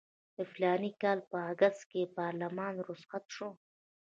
د فلاني کال په اګست کې پارلمان رخصت شو.